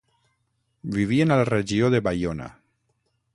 Vivien a la regió de Baiona.